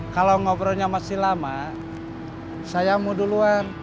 kalau ngobrolnya masih lama saya mau duluan